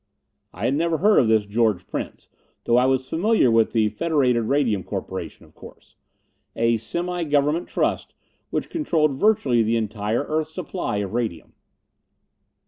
I had never heard of this George Prince, though I was familiar with the Federated Radium Corporation, of course. A semi government trust, which controlled virtually the entire Earth supply of radium.